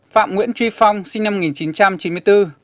phạm nguyễn truy phong sinh năm một nghìn chín trăm chín mươi bốn